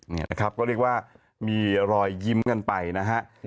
เนี้ยคับก็เรียกว่ามีรอยยิ้มกันไปนะฮะนะฮะ